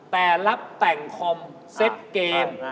แต่รับแต่งคอมเซ็ตเกม